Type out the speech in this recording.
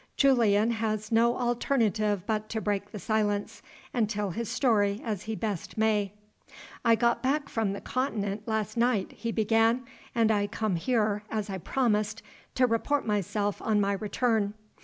Julian has no alternative but to break the silence, and tell his story as he best may. "I got back from the Continent last night," he began. "And I come here, as I promised, to report myself on my return.